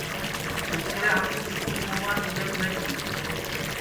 اِسکرے ہمکُو کیسی کُومان اِجت نائی دؔی